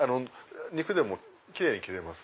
肉でも奇麗に切れます。